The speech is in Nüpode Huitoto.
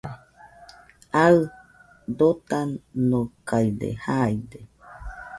Aɨ dotanokaide jaide